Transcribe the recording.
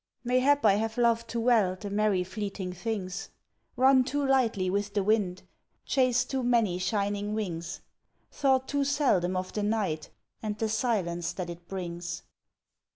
Mayhap I have loved too well the merry fleeting things; Run too lightly with the wind chased too many shining wings; Thought too seldom of the night, and the silence that it brings.